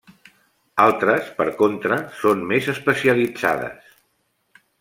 Altres, per contra, són més especialitzades.